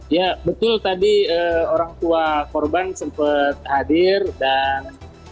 ya betul tadi orang tua korban sempat hadir dan